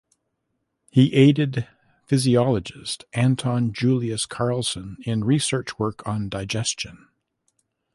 He aided physiologist Anton Julius Carlson in research work on digestion.